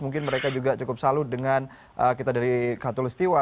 mungkin mereka juga cukup salu dengan kita dari katolik setiwa